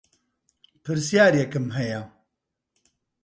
پرسیارێکم هەیە